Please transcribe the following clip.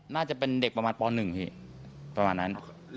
น่าจะเป็นเด็กประมาณป๑